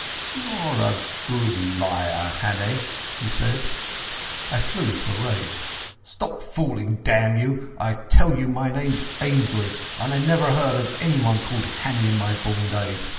"You're a good liar, Hannay," he said. I flew into a rage. "Stop fooling, damn you! I tell you my name's Ainslie, and I never heard of anyone called Hannay in my born days.